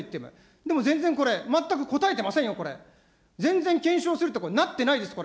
でも全然これ、全く答えてませんよ、これ全然検証するってこれ、なってないです、これ。